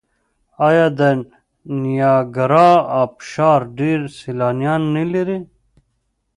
آیا د نیاګرا ابشار ډیر سیلانیان نلري؟